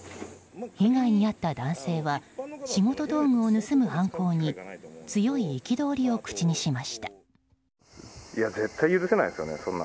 被害に遭った男性は仕事道具を盗む犯行に強い憤りを口にしました。